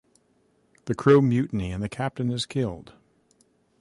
The crew mutiny and the captain is killed.